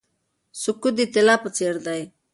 سکوت د طلا په څیر دی.